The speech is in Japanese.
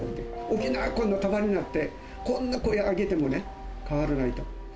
沖縄がこんなに束になって、こんな声を上げてもね、変わらないと。